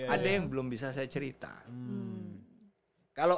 ada yang belum bisa saya cerita